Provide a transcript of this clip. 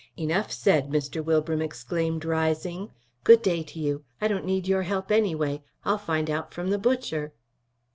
"Enough said," Mr. Wilbram exclaimed, rising. "Good day to you. I don't need your help, anyway. I'll find out from the butcher."